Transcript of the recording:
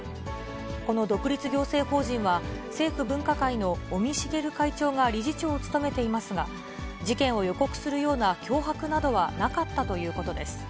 この独立行政法人は、政府分科会の尾身茂会長が理事長を務めていますが、事件を予告するような脅迫などはなかったということです。